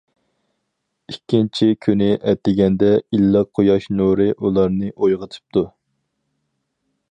ئىككىنچى كۈنى ئەتىگەندە ئىللىق قۇياش نۇرى ئۇلارنى ئويغىتىپتۇ.